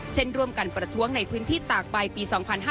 เช่นร่วมกันประท้วงในพื้นที่ตากใบปี๒๕๕๙